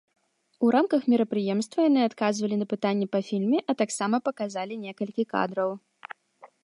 У рамках мерапрыемства яны адказвалі на пытанні па фільме, а таксама паказалі некалькі кадраў.